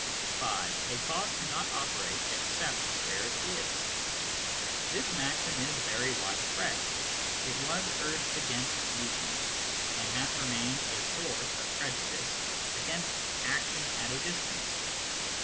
(5) " A cause cannot operate except where it is." This maxim is very widespread ; it was urged against Newton, and has remained a source of prejudice against " action at a distance."